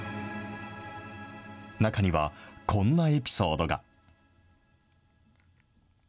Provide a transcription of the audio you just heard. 中には、こんなエピソードが。